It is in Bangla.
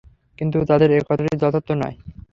কিন্তু তাদের এ কথাটি যথার্থ নয়।